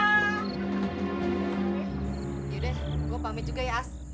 yaudah deh gue pamit juga ya as